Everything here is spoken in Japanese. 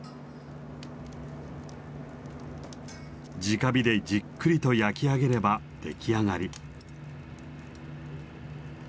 直火でじっくりと焼き上げれば出来上がり。